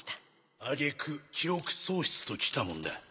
挙げ句記憶喪失ときたもんだ。